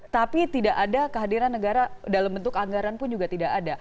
tapi tidak ada kehadiran negara dalam bentuk anggaran pun juga tidak ada